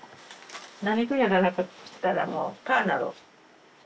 何かやらなかったらもうパーなる。